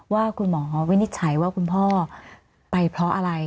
ว่าคุณหมอวินิจฉัยว่าคุณพ่อไปเพราะอะไร